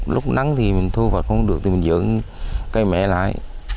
lúc nắng thì mình thu hoạch không được thì mình dưỡng cây mẹ lại